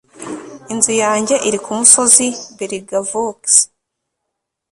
Inzu yanjye iri ku musozi belgavox